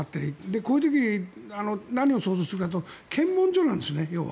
こういう時、何を想像するかというと検問所なんですね、要は。